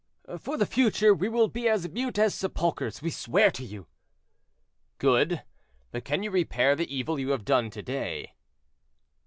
"For the future we will be as mute as sepulchers, we swear to you." "Good; but can you repair the evil you have done to day?"